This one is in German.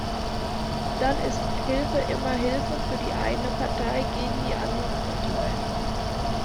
Dann ist Hilfe immer Hilfe für die eine Partei gegen die andere Partei.